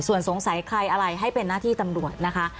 สว่นสงสัยให้ใครอะไรให้เป็นนาธิตำรวจนะคะ